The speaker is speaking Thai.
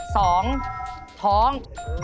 สองท้อง